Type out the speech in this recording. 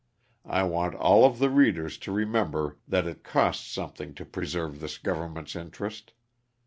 I want all of the readers to remem ber that it costs something to preserve this govern ment's interest.